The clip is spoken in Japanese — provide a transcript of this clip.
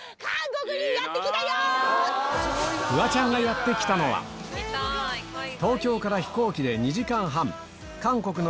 フワちゃんがやって来たのは東京から飛行機で２時間半